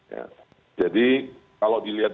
ya jadi kalau dilihat